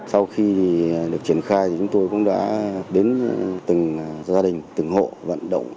sau khi được triển khai thì chúng tôi cũng đã đến từng gia đình từng hộ vận động